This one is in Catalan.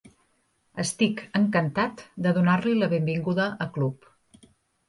Estic encantat de donar-li la benvinguda a club.